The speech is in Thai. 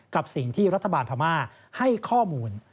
กับสิ่งที่รัฐบาลพม่าให้ข้อมูล